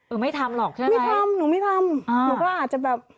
ไม่ทำหรอกใช่ไหมไม่ทำหนูไม่ทำหนูก็อาจจะแบบ